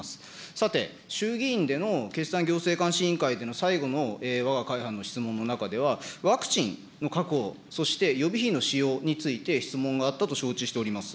さて、衆議院での決算行政監視委員会での最後のわが会派の質問の中では、ワクチンの確保、そして予備費の使用について質問があったと承知しております。